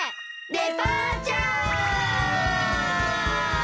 デパーチャー！